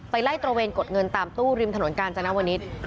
ไล่ตระเวนกดเงินตามตู้ริมถนนกาญจนวนิษฐ์